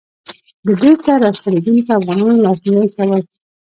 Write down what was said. د بېرته راستنېدونکو افغانانو لاسنيوی کول.